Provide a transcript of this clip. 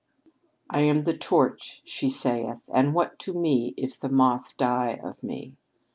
"'I am the torch,' she saith; 'and what to me If the moth die of me?